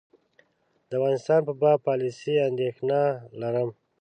د افغانستان په باب پالیسي اندېښنه لرم.